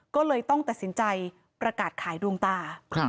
ก็เลยต้องตัดสินใจประกาศขายดวงตา